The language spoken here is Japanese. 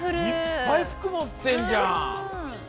いっぱいふくもってんじゃん！